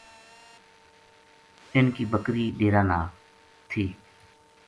اِن کی بکری ڈیرا